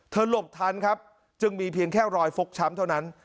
หลบทันครับจึงมีเพียงแค่รอยฟกช้ำเท่านั้น